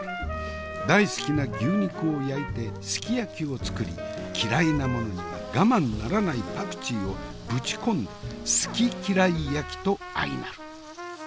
大好きな牛肉を焼いてスキヤキを作り嫌いな者には我慢ならないパクチーをぶち込んでスキキライ焼きと相成る。